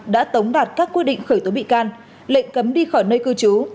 đã tống đạt các quyết định khởi tố bị can lệnh cấm đi khỏi nơi cư trú